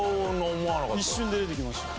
一瞬で出てきました。